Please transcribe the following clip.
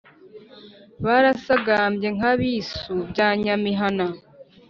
Barasagambye nka Bisu bya Nyamihana